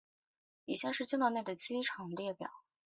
以下是赤道畿内亚的机场列表。